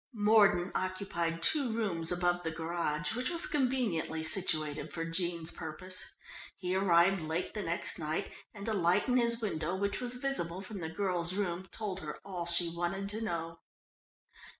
Mordon occupied two rooms above the garage, which was conveniently situated for Jean's purpose. He arrived late the next night, and a light in his window, which was visible from the girl's room, told her all she wanted to know.